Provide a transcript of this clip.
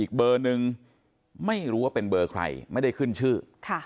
อีกเบอร์นึงไม่รู้ว่าเป็นเบอร์ใครไม่ได้ขึ้นชื่อ